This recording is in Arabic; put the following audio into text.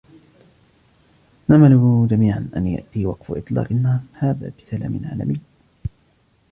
نأمل جميعًا أن يأتي وقف إطلاق النار هذا بسلام عالمي.